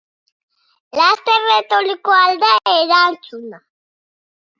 Laster etorriko ahal da erantzuna!